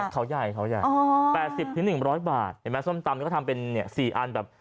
เขาใหญ่๘๐๑๐๐บาทเห็นไหมส้มตำก็ทำเป็น๔อันแบบ